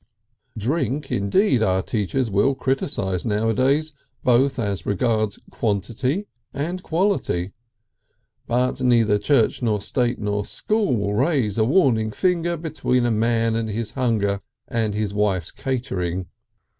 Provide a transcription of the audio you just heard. Drink, indeed, our teachers will criticise nowadays both as regards quantity and quality, but neither church nor state nor school will raise a warning finger between a man and his hunger and his wife's catering.